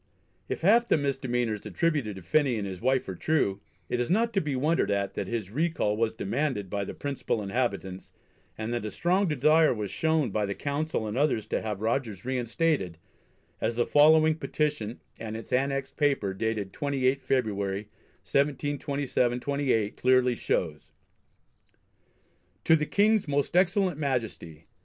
If half the misdemeanours attributed to Phenney and his wife are true, it is not to be wondered at that his recall was demanded by the principal inhabitants, and that a strong desire was shown by the Council and others to have Rogers re instated, as the following petition and its annexed paper dated 28 February, 1727/8, clearly shows: [Sidenote: INTRODUCTION] To the King's most Excellent Majesty.